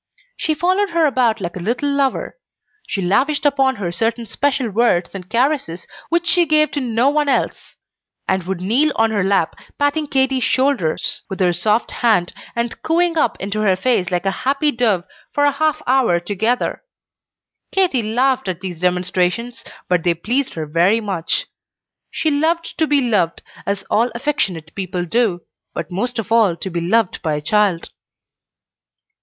She followed her about like a little lover; she lavished upon her certain special words and caresses which she gave to no one else; and would kneel on her lap, patting Katy's shoulders with her soft hand, and cooing up into her face like a happy dove, for a half hour together. Katy laughed at these demonstrations, but they pleased her very much. She loved to be loved, as all affectionate people do, but most of all to be loved by a child.